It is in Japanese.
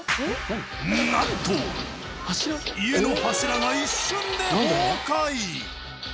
なんと家の柱が一瞬で崩壊！